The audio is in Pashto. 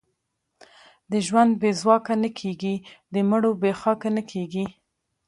د ژوندو بې ځواکه نه کېږي، د مړو بې خاکه نه کېږي.